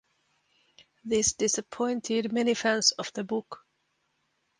This disappointed many fans of the book.